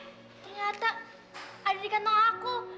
ternyata ada di kantong aku